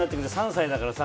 ３歳だからさ。